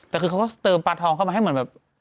แต่คือเขาก็เติมปลาทองเข้ามาให้เหมือนแบบ